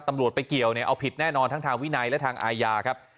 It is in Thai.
ตำรวจไปเกี่ยวเนี่ยเอาผิดแน่นอนทั้งทางวินัยและทางอาญาครับ